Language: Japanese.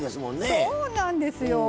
そうなんですよ。